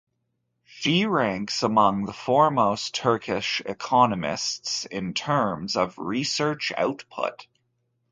She ranks among the foremost Turkish economists in terms of research output.